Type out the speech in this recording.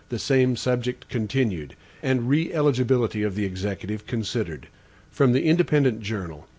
72 The Same Subject Continued, and Re Eligibility of the Executive Considered. From The Independent Journal.